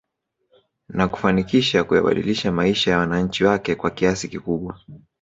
Na kufanikisha kuyabadilisha maisha ya wananchi wake kwa kiasi kikubwa